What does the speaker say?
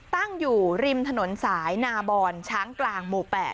ตั้งอยู่ริมถนนสายนาบอนช้างกลางหมู่๘